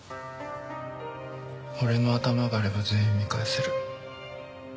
俺の頭があれば全員見返せる。